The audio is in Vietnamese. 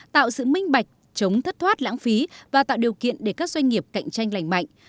tạo sự minh bạch chống thất thoát lãng phí và tạo điều kiện để các doanh nghiệp cạnh tranh lành mạnh